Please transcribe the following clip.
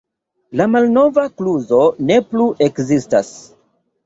La malnova kluzo ne plu ekzistas.